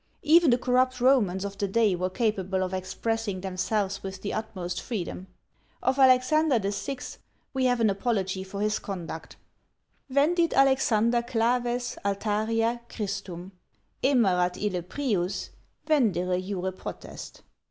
even the corrupt Romans of the day were capable of expressing themselves with the utmost freedom. Of Alexander VI. we have an apology for his conduct: Vendit Alexander claves, altaria, Christum; Emerat ille prius, vendere jure potest.